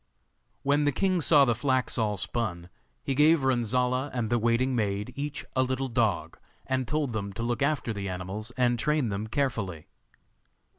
When the king saw the flax all spun, he gave Renzolla and the waiting maid each a little dog, and told them to look after the animals and train them carefully.